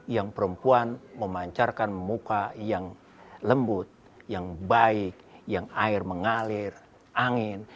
yang perempuan memancarkan muka yang lembut yang baik yang air mengalir angin